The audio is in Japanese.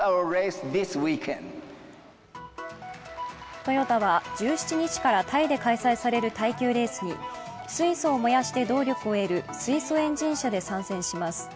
トヨタは１７日からタイで開催される耐久レースに水素を燃やして動力を得る水素エンジン車で参戦します。